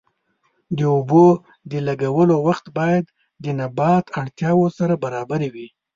د اوبو د لګولو وخت باید د نبات اړتیاوو سره برابر وي.